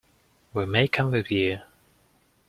We may come with you?